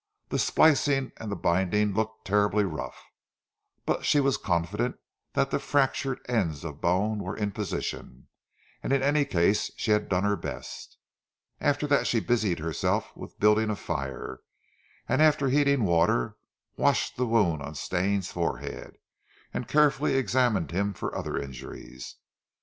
The splicing and the binding looked terribly rough, but she was confident that the fractured ends of bone were in position, and in any case she had done her best. After that she busied herself with building a fire, and after heating water, washed the wound on Stane's forehead, and carefully examined him for other injuries.